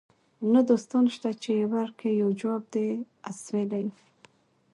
نه دوستان سته چي یې ورکړي یو جواب د اسوېلیو